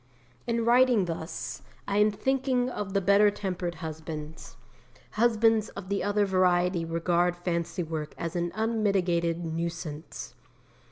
In writing thus, I am thinking of the better tempered husbands. Husbands of the other variety regard fancy work as an unmitigated nuisance.